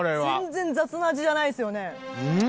全然雑な味じゃないですよね。